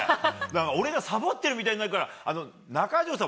俺がさぼっているみたいになるから中条さん